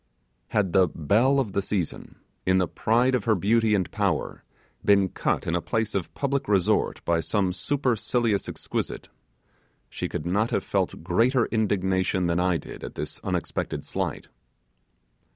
Had the belle of the season, in the pride of her beauty and power, been cut in a place of public resort by some supercilious exquisite, she could not have felt greater indignation than I did at this unexpected slight.